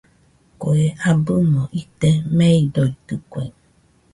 Kue abɨmo ite meidoitɨkue.